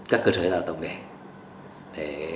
các cơ sở đào tạo nghề